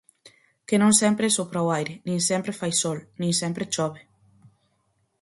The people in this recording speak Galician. Que non sempre sopra o aire, nin sempre fai sol, nin sempre chove.